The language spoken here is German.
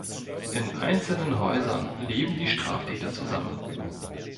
In einzelnen Häusern leben die Straftäter zusammen.